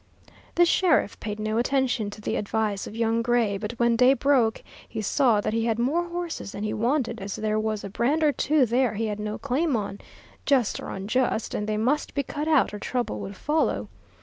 The sheriff paid no attention to the advice of young Gray, but when day broke he saw that he had more horses than he wanted, as there was a brand or two there he had no claim on, just or unjust, and they must be cut out or trouble would follow.